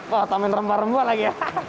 wah tambahin rempah rempah lagi ya